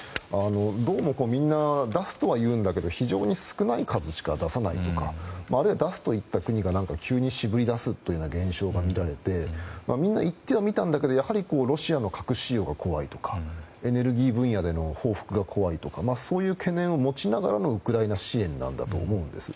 どうもみんな、出すとは言っても非常に少ない数しか出さないとかあるいは出すと言った国が急に渋り出すような現象が見られてみんな、言ってはみたんだけどやはりロシアの核使用が怖いとかエネルギー分野での報復が怖いとかそういう懸念を持ちながらのウクライナ支援だと思うんです。